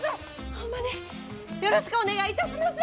ホンマによろしくお願いいたします！